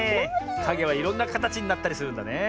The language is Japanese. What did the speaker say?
かげはいろんなかたちになったりするんだね。